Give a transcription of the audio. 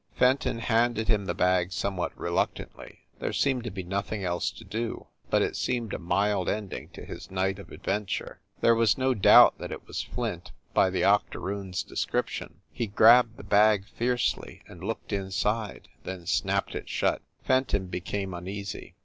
Fenton handed him the bag somewhat reluctantly. There seemed to be nothing else to do, but it seemed a mild ending to his night of adventure. There was no doubt that it was Flint, by the octoroon s de scription. He grabbed the bag fiercely and looked inside, then snapped it shut. Fenton became un easy.